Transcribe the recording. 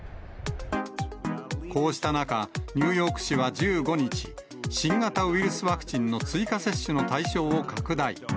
こうした中、ニューヨーク市は１５日、新型ウイルスワクチンの追加接種の対象を拡大。